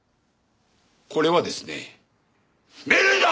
これはですね命令だ！